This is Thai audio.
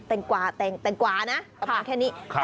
แต่งกว่าแตงกว่านะประมาณแค่นี้